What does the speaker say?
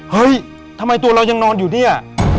เฮ้ยทำไมตัวเรายังนอนอยู่เนี่ย